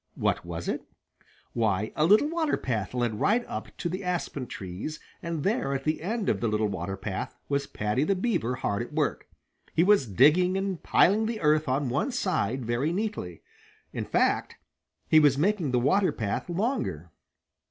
What was it? Why a little water path led right up to the aspen trees, and there, at the end of the little water path, was Paddy the Beaver hard at work. He was digging and piling the earth on one side very neatly. In fact, he was making the water path longer.